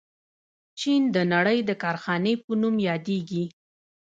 چین د نړۍ د کارخانې په نوم یادیږي.